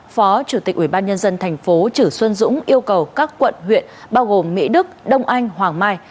phó chủ tịch ubnd tp chử xuân dũng yêu cầu các quận huyện bao gồm mỹ đức đông anh hoàng mai